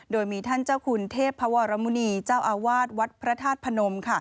โดยมีท่านเจ้าคุณเทพวรมุณีเจ้าอาวาสวัดพระธาตุพนม